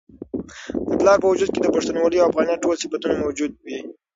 د پلار په وجود کي د پښتونولۍ او افغانیت ټول صفتونه موجود وي.